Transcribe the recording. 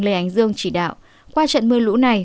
lê ánh dương chỉ đạo qua trận mưa lũ này